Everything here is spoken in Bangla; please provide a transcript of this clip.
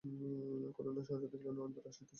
করুণা সহসা দেখিল নরেন্দ্র আসিতেছে।